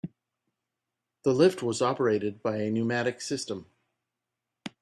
The lift was operated by a pneumatic system.